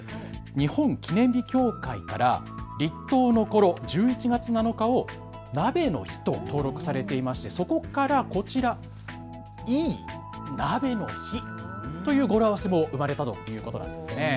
日本記念日協会から立冬のころ、１１月７日を鍋の日と登録されていましてそこからこちら、いい鍋の日という語呂合わせも生まれたということなんです。